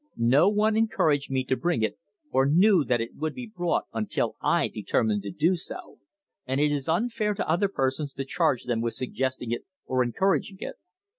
No one encouraged me to bring it or knew that it would be brought until I determined to do so, and it is unfair to other persons to charge them with suggesting it or encouraging it.